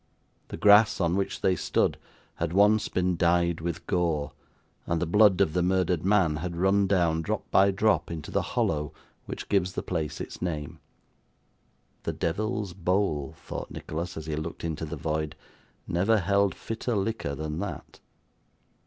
The grass on which they stood, had once been dyed with gore; and the blood of the murdered man had run down, drop by drop, into the hollow which gives the place its name. 'The Devil's Bowl,' thought Nicholas, as he looked into the void, 'never held fitter liquor than that!